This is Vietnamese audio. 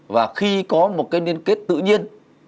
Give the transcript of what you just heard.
và khi có một cái liên kết tự nhiên